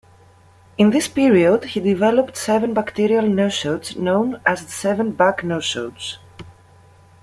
In this period, he developed seven bacterial nosodes known as the seven Bach nosodes.